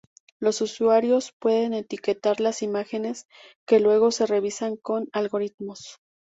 Los usuarios pueden etiquetar las imágenes, que luego se revisan con algoritmos.